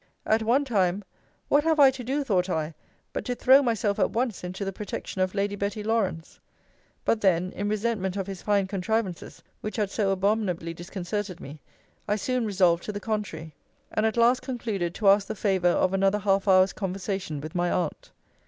At one time, What have I to do, thought I, but to throw myself at once into the protection of Lady Betty Lawrance? But then, in resentment of his fine contrivances, which had so abominably disconcerted me, I soon resolved to the contrary: and at last concluded to ask the favour of another half hour's conversation with my aunt.